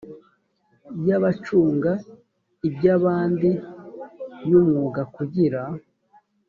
y abacunga iby abandi y umwuga kugira